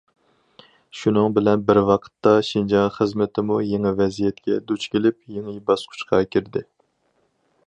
شۇنىڭ بىلەن بىر ۋاقىتتا، شىنجاڭ خىزمىتىمۇ يېڭى ۋەزىيەتكە دۇچ كېلىپ، يېڭى باسقۇچقا كىردى.